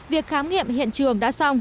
việc khám nghiệm hiện trường đã xong